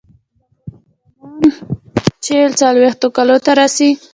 زمونږ زنانه چې څلوېښتو کالو ته رسي